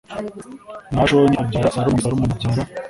Nahashoni abyara Salumoni Salumoni abyara